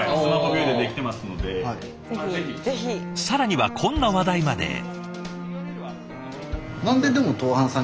更にはこんな話題まで。